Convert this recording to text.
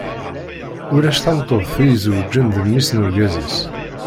Ulac tameṭṭut i izewǧen d mmi-s n urgaz-is.